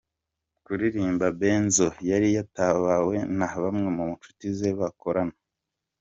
Ku irimbi Benzo yari yatabawe na bamwe mu nshuti ze bakorana.